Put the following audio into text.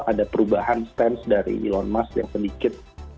ada perubahan stance dari elon musk yang sedikit